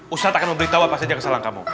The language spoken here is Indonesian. ustadz akan memberitahu apa saja kesalahan kamu